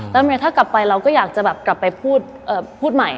แล้วทำไมถ้ากลับไปเราก็อยากจะแบบกลับไปพูดใหม่